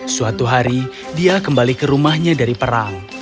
suatu hari dia kembali ke rumahnya dari perang